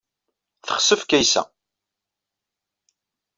Texsef Kaysa.